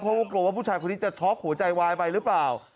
เพราะว่ากลัวว่าผู้ชายคนนี้จะช็อกหัวใจวายไปหรือเปล่า